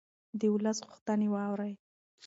د ولس غوښتنې واورئ